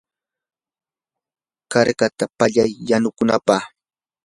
karkata palay yanukunapaq.